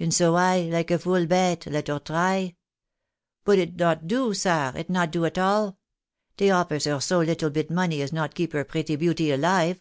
And so I, like 9. fool bote, let her try. But it not do, sar, it not do at all. Dey ofiers her so little bit money as not keep her pretty beauty aUve.